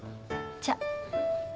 じゃあ！